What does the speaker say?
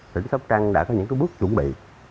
tỉnh sóc trăng đã có những bước chuẩn bị